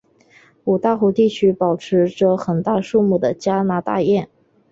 五大湖地区保持着很大数目的加拿大雁。